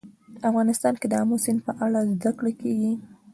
افغانستان کې د آمو سیند په اړه زده کړه کېږي.